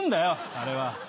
あれは。